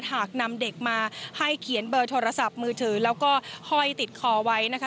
หากนำเด็กมาให้เขียนเบอร์โทรศัพท์มือถือแล้วก็ห้อยติดคอไว้นะคะ